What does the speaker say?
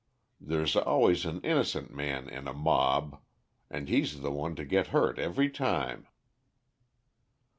There's always an innocent man in a mob, and he's the one to get hurt every time."